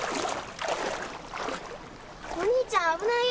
お兄ちゃんあぶないよ。